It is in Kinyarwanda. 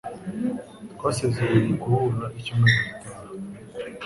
Twasezeranye guhura icyumweru gitaha.